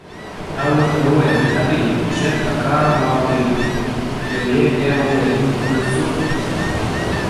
ما ورته وویل: هلئ، ژر په کار واوړئ، یوه یې بیا وویل: موږ ځو.